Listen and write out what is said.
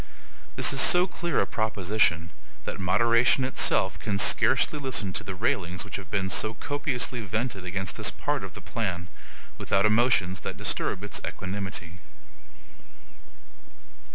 This is so clear a proposition, that moderation itself can scarcely listen to the railings which have been so copiously vented against this part of the plan, without emotions that disturb its equanimity.